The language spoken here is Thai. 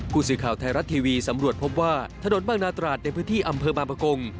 กุศิข่าวไทรัตท์ทีวีสำรวจพบว่าถนนบ้างนาตราดในพื้นที่อำเภอบาปกงศ์